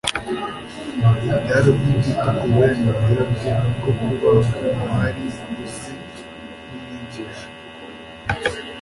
byari ukutita ku burengarizira bwe bwo kuba Umuhariuzi n'Umwigisha;